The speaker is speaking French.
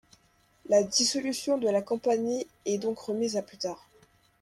La dissolution de la Compagnie est donc remise à plus tard...